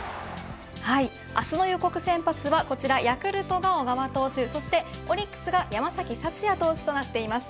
明日の予告先発はこちらヤクルトが小川投手そしてオリックスが山崎福也投手となっています。